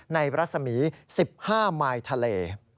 รัศมี๑๕มายทะเล